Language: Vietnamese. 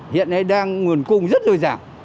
hiện nay đang nguồn cung rất dồi dàng